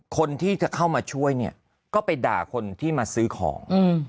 คนที่จะเข้ามาช่วยเนี่ยก็ไปด่าคนที่มาซื้อของ